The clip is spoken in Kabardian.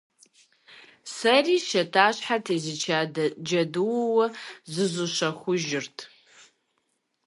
Сэри шатащхьэр тезыча джэдууэ зызущэхужырт.